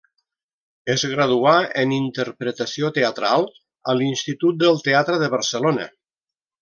Es graduà en interpretació teatral a l'Institut del Teatre de Barcelona.